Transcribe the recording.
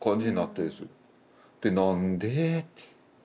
で何で？って。